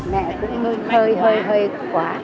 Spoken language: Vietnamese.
mẹ cũng hơi hơi hơi quá